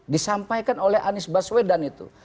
disampaikan oleh anies baswedan itu